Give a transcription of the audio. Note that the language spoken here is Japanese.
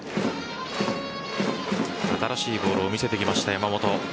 新しいボールを見せてきました山本。